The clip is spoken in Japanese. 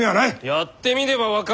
やってみねば分からん。